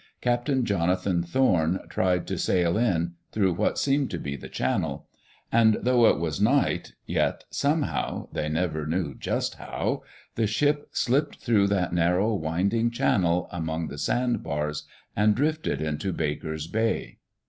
Captain Jonathan Thorn tried to sail in, through what seemed to be the channel. And though it was night, yet somehow — they never knew just how — the ship slipped through that narrow, winding channel among the sand bars, and drifted into Baker's Bay.